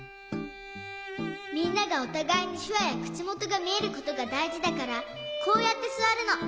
みんながおたがいにしゅわやくちもとがみえることがだいじだからこうやってすわるの。